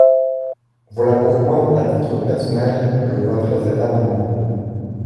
Voilà pourquoi, à titre personnel, je voterai cet amendement.